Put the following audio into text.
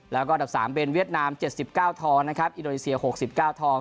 แล้วก็ดับสามเบนเวียดนามเจ็ดสิบเก้าทองนะครับอินโดนีเซียหกสิบเก้าทอง